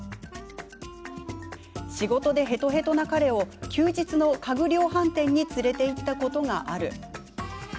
「仕事でへとへとな彼を、休日の家具量販店に連れて行ったことがある。」